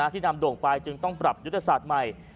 ที่นำโด่งไปจึงต้องปรับยุทธศาสตร์ใหม่